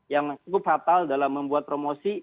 yang cukup fatal dalam membuat promosi